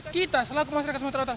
kita selalu kemasyarakat sumatera utara